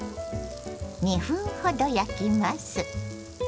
２分ほど焼きます。